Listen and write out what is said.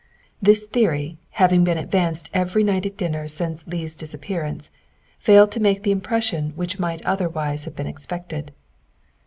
This theory, having been advanced every night at dinner since Leigh's disappearance, failed to make the impression which might otherwise have been expected.